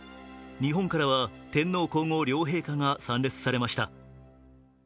日本からは天皇皇后両陛下が参列されました。